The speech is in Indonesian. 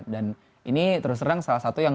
dan ini terus terang salah satu yang